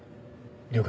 了解。